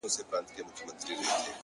په دې پردي وطن كي’